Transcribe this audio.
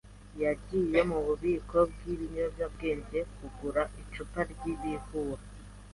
yagiye mububiko bwibinyobwa kugura icupa ryibihuha.